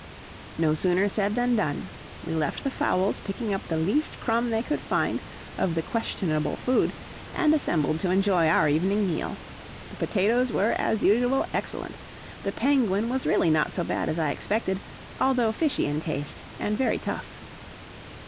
No sooner said than done; we left the fowls picking up the least crumb they could find of the questionable food, and assembled to enjoy our evening meal. The potatoes were, as usual, excellent, the penguin was really not so bad as I expected, although fishy in taste and very tough.